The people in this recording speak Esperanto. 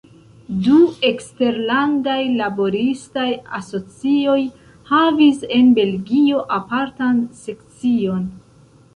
Du eksterlandaj laboristaj asocioj havis en Belgio apartan sekcion.